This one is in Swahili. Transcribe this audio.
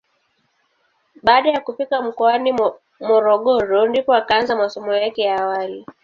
Baada ya kufika mkoani Morogoro ndipo akaanza masomo yake ya awali.